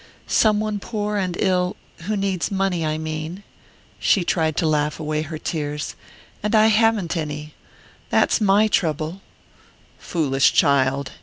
"Some one poor and ill who needs money, I mean " She tried to laugh away her tears. "And I haven't any! That's my trouble!" "Foolish child!